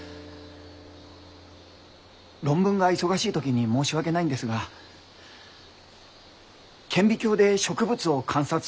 論文が忙しい時に申し訳ないんですが顕微鏡で植物を観察する方法を教えてくれませんか？